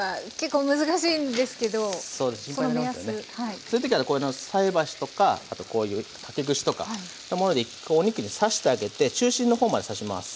そういう時はこの菜箸とかあとこういう竹串とかいったもので１回お肉に刺してあげて中心の方まで刺します。